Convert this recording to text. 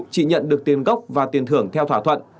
chị nhận được tiền gốc và tiền thưởng theo thỏa thuận